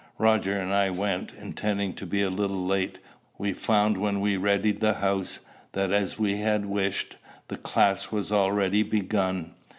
Roger and I went. Intending to be a little late, we found when we readied the house, that, as we had wished, the class was already begun.